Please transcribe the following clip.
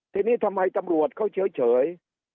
ทีนี้ทำไมตำรวจเขาเฉย